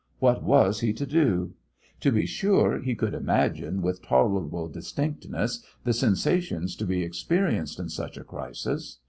What was he to do? To be sure, he could imagine with tolerable distinctness the sensations to be experienced in such a crisis.